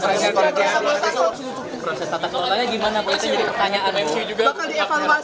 proses tata kelolanya gimana